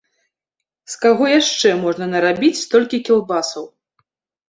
З каго яшчэ можна нарабіць столькі кілбасаў?